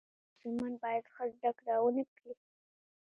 آیا ماشومان باید ښه زده کړه ونکړي؟